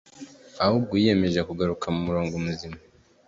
ahubwo yiyemeje kugaruka mu murongo muzima;